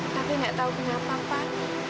tapi nggak tahunya pak pak